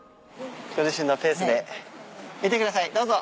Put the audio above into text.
ご自身のペースで見てくださいどうぞ！